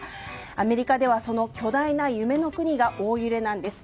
アメリカではその巨大な夢の国が大揺れなんです。